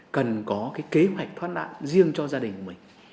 cần có cái kế hoạch thoát nạn riêng cho gia đình mình